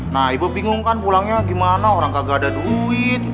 nah ibu bingung kan pulangnya gimana orang kagak ada duit